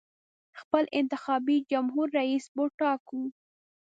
خپل انتخابي جمهور رییس به ټاکو.